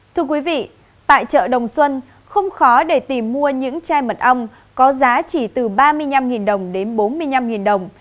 thưa quý vị tại chợ đồng xuân không khó để tìm mua những chai mật ong có giá chỉ từ ba mươi năm đồng đến bốn mươi năm đồng